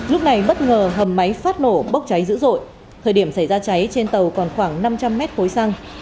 lúc này bất ngờ hầm máy phát nổ bốc cháy dữ dội thời điểm xảy ra cháy trên tàu còn khoảng năm trăm linh mét khối xăng